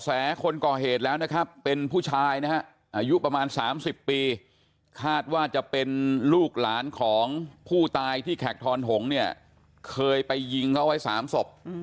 แสคนก่อเหตุแล้วนะครับเป็นผู้ชายนะฮะอายุประมาณ๓๐ปีคาดว่าจะเป็นลูกหลานของผู้ตายที่แขกทอนหงษ์เนี่ยเคยไปยิงเขาไว้๓ศพ